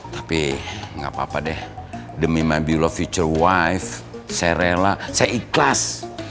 tapi gak apa apa deh demi my beloved future wife saya rela saya ikhlas